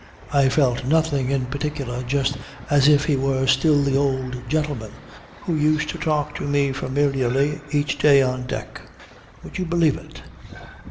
I felt nothing in particular just as if he were still the old gentleman who used to talk to me familiarly every day on deck. Would you believe it?"